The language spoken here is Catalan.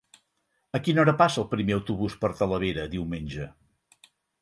A quina hora passa el primer autobús per Talavera diumenge?